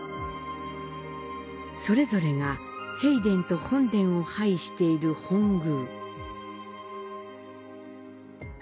それぞれが幣殿と本殿を配している本宮。